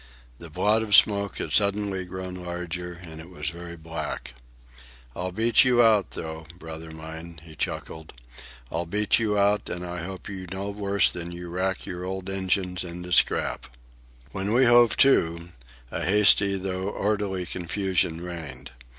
The blot of smoke had suddenly grown larger, and it was very black. "I'll beat you out, though, brother mine," he chuckled. "I'll beat you out, and I hope you no worse than that you rack your old engines into scrap." When we hove to, a hasty though orderly confusion reigned.